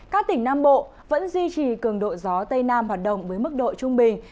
các tỉnh nam bộ vẫn duy trì cường độ gió tây nam hoạt động với mức độ trung bình